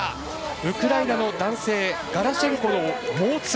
ウクライナの男性ガラシェンコを猛追。